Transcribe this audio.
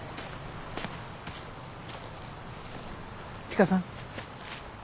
千佳さん。